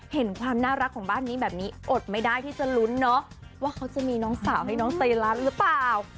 เห็นความน่ารักของบ้านนี้แบบนี้อดไม่ได้ที่จะลุ้นเนาะว่าเขาจะมีน้องสาวให้น้องไซลัสหรือเปล่า